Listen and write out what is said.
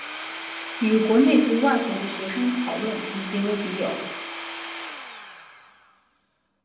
与国内及外国的学生讨论及结为笔友。